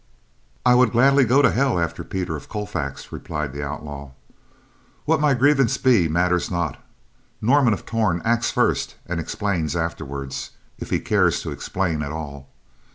"I would gladly go to hell after Peter of Colfax," replied the outlaw. "What my grievance be matters not. Norman of Torn acts first and explains afterward, if he cares to explain at all.